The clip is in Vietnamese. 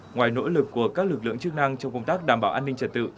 ngoài nỗ lực của các lực lượng chức năng trong công tác đảm bảo an ninh trật tự